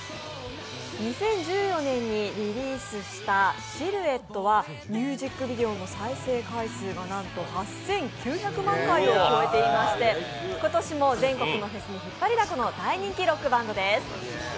２０１４年にリリースした「シルエット」はミュージックビデオの再生回数がなんと８９００万回を超えていまして今年も全国のフェスに引っ張りだこの大人気ロックバンドです。